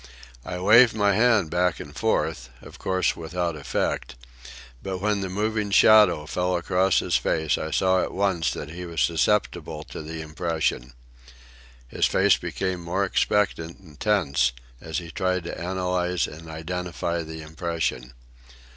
I waved my hand back and forth, of course without effect; but when the moving shadow fell across his face I saw at once that he was susceptible to the impression. His face became more expectant and tense as he tried to analyze and identify the impression.